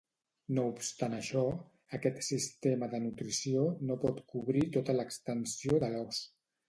No obstant això, aquest sistema de nutrició no pot cobrir tota l'extensió de l'os.